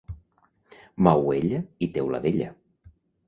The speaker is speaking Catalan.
Mauella i Teuladella.